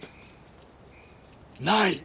ない！